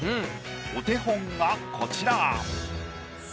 お手本がこちら。